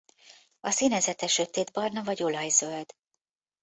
A színezete sötétbarna vagy olajzöld.